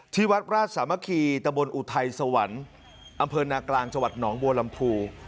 ที่วัดราชสามัคคีตะบนอุทัยสวรรค์อำเภอนากลางจังหวัดหนองบัวลำพู